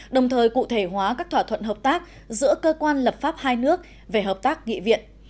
đồng thời cụ thể hóa các thỏa thuận hợp tác giữa cơ quan lập pháp hai nước về hợp tác nghị viện